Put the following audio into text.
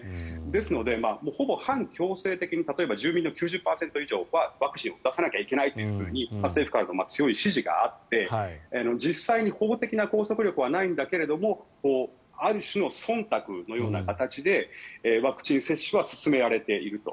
ですのでほぼ半強制的に例えば住民の９０％以上はワクチンを打たせなきゃいけないと政府からの強い指示があって実際に公的な拘束力はないけどある種のそんたくのような形でワクチン接種は進められていると。